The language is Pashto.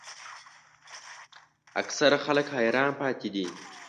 اکثره خلک حیران پاتې دي.